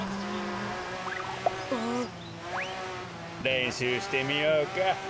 れんしゅうしてみようか？